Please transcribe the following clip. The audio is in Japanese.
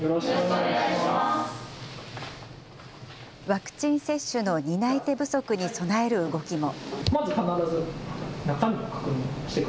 ワクチン接種の担い手不足に備える動きも。